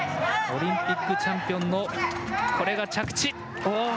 オリンピックチャンピオンのこれが着地。